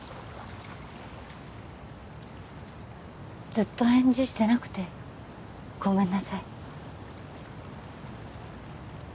ずっと返事してなくてごめんなさい